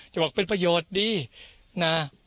บอกเป็นประโยชน์ดีนะ